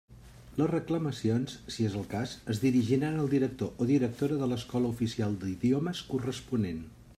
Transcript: Les reclamacions, si és el cas, es dirigiran al director o directora de l'escola oficial d'idiomes corresponent.